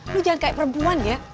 lu jangan kayak perempuan ya